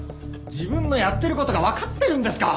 自分のやってる事がわかってるんですか！？